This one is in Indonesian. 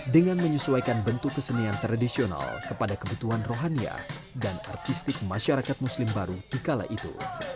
dengan menyesuaikan bentuk kesenian tradisional kepada kebutuhan rohania dan artistik masyarakat muslim baru di kala itu